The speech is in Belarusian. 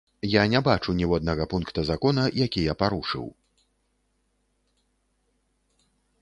Я не бачу ніводнага пункта закона, які я парушыў.